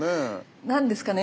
何ですかね